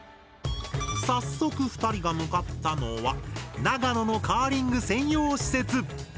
早速２人が向かったのは長野のカーリング専用施設！